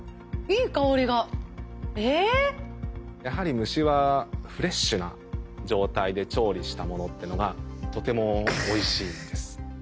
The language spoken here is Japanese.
やはり虫はフレッシュな状態で調理したものっていうのがとてもおいしいんです。